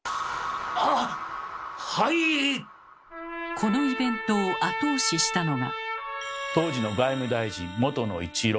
このイベントを後押ししたのが。